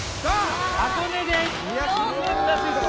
箱根です。